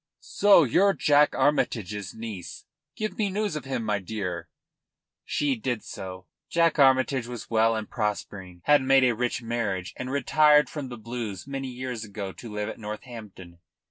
"So you're Jack Armytage's niece. Give me news of him, my dear." She did so. Jack Armytage was well and prospering, had made a rich marriage and retired from the Blues many years ago to live at Northampton.